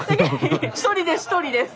１人です１人です。